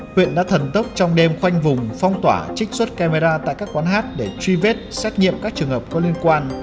huyện đã thần tốc trong đêm khoanh vùng phong tỏa trích xuất camera tại các quán hát để truy vết xét nghiệm các trường hợp có liên quan